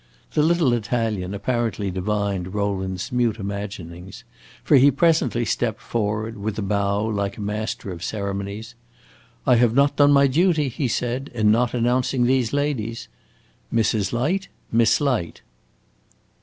The little Italian apparently divined Rowland's mute imaginings, for he presently stepped forward, with a bow like a master of ceremonies. "I have not done my duty," he said, "in not announcing these ladies. Mrs. Light, Miss Light!"